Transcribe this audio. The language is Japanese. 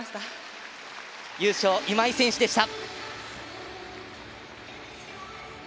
優勝、今井選手でした。